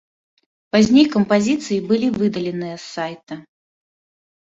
Пазней кампазіцыі былі выдаленыя з сайта.